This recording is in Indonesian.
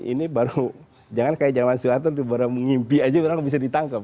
ini baru jangan kayak zaman soeharto baru mengimpi aja barang bisa ditangkap